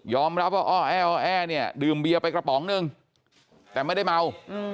รับว่าอ้อแอ้เนี่ยดื่มเบียร์ไปกระป๋องนึงแต่ไม่ได้เมา